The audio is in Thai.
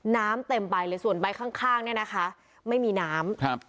น้ำเต็มไปซี่ส่วนใบข้างเนี่ยนะคะไม่มีน้ำ